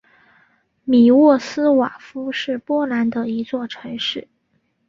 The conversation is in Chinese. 米沃斯瓦夫是波兰的一座城市。